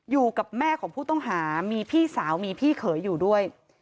อยู่กับแม่ของผู้ต้องหามีพี่สาวมีพี่เขยอยู่ด้วย